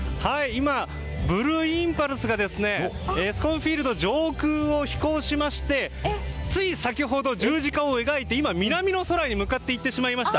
今、ブルーインパルスがエスコンフィールド上空を飛行しましてつい先ほど、十字架を描いて今、南の空に向かっていってしまいました。